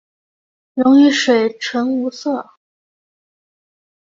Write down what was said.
溶于水呈无色。